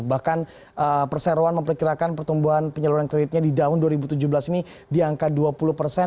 bahkan perseroan memperkirakan pertumbuhan penyaluran kreditnya di tahun dua ribu tujuh belas ini di angka dua puluh persen